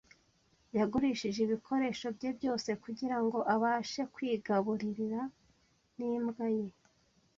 Yagurishije ibikoresho bye byose, kugirango abashe kwigaburira n'imbwa ye.